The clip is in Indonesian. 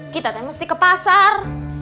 kita kan mesti ke pasar